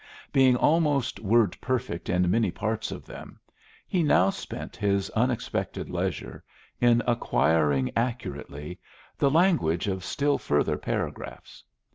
Being almost word perfect in many parts of them, he now spent his unexpected leisure in acquiring accurately the language of still further paragraphs.